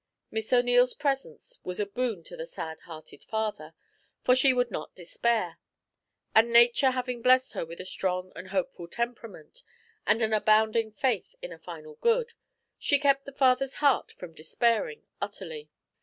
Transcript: Miss O'Neil's presence was a boon to the sad hearted father, for she would not despair; and nature having blessed her with a strong and hopeful temperament, and an abounding faith in a final good, she kept the father's heart from despairing utterly.